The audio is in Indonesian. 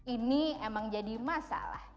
ini emang jadi masalah